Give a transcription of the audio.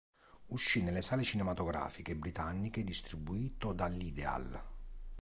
Uscì nelle sale cinematografiche britanniche distribuito dall'Ideal.